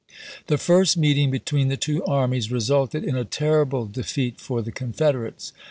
The first meeting between the two armies re suited in a terrible defeat for the Confederates.